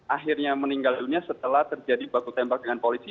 akhirnya meninggal dunia setelah terjadi baku tembak dengan polisi